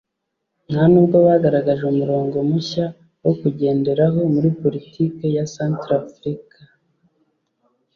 nta n’ubwo bagaragaje umurongo mushya wo kugenderaho muri politike ya Centrafrique